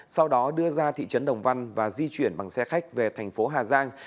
sau đó đưa ra thị trấn đồng văn và di chuyển bằng xe khách về thành phố hà giang